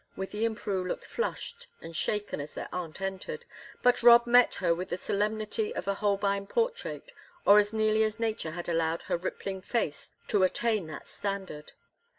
Wythie and Prue looked flushed and shaken as their aunt entered, but Rob met her with the solemnity of a Holbein portrait, or as nearly as nature had allowed her rippling face to attain that standard.